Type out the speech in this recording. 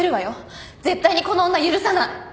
絶対にこの女許さない。